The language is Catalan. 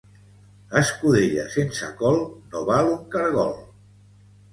Escudella sense col no val un caragol.